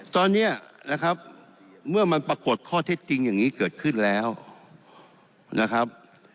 ตอนนี้นะครับเมื่อมันปรากฏข้อเท็จจริงอย่างนี้เกิดขึ้นแล้วนะครับ